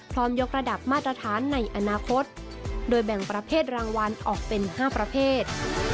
ยกระดับมาตรฐานในอนาคตโดยแบ่งประเภทรางวัลออกเป็น๕ประเภท